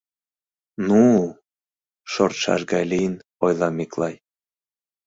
Ну?!. — шортшаш гай лийын, ойла Миклай.